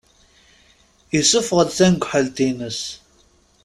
Isuffeɣ-d tanegḥelt-ines.